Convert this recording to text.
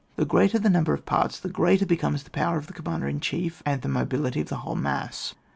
The greater the number of parts, the greater becomes the power of the com mander in chief and the mobility of the whole mass.